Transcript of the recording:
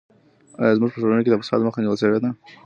ایا زموږ په ټولنه کې د فساد مخه نیول سوې ده؟